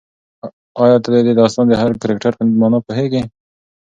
ایا ته د دې داستان د هر کرکټر په مانا پوهېږې؟